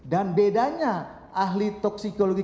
dan bedanya ahli toksikologi